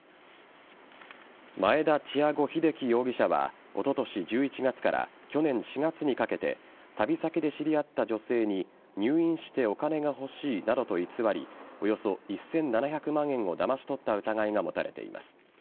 マエダ・チアゴ・ヒデキ容疑者はおととし１１月から去年４月にかけて旅先で知り合った女性に入院してお金が欲しいなどと偽りおよそ１７００万円をだまし取った疑いが持たれています。